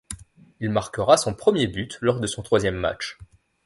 Il marquera son premier but lors de son troisième match.